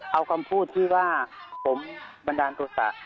เอาคำพูดที่ว่าผมบันดาลโทษะ